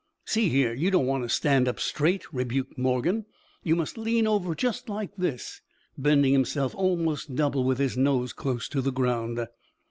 "See here, you don't want to stand up straight," rebuked Morgan. "You must lean over just like this," bending himself almost double with his nose close to the ground.